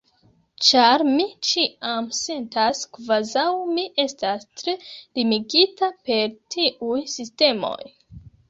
ĉar mi ĉiam sentas kvazaŭ mi estas tre limigita per tiuj sistemoj